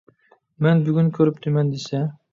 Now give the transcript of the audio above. مەن بۈگۈن كۆرۈپتىمەن دېسە.